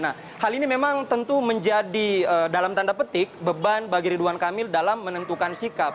nah hal ini memang tentu menjadi dalam tanda petik beban bagi ridwan kamil dalam menentukan sikap